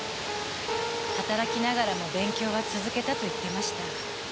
働きながらも勉強は続けたと言ってました。